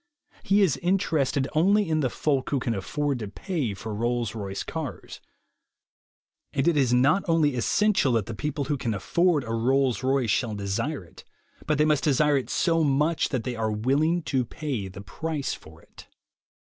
He is inter ested only in the folk who can afford to pay for Rolls Royce cars. And it is not only essential that the people who can afford a Rolls Rovce shall THE WAY TO WILL POWER 19 desire it, but they must desire it so much that they are willing to pay the price for it.